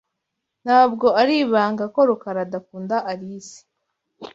Ntabwo ari ibanga ko Rukara adakunda Alice.